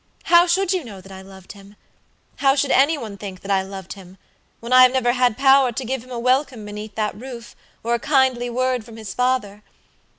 "How should you know that I loved him? How should any one think that I loved him, when I have never had power to give him a welcome beneath that roof, or a kindly word from his father?